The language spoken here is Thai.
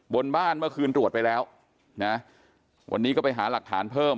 บนบ้านเมื่อคืนตรวจไปแล้วนะวันนี้ก็ไปหาหลักฐานเพิ่ม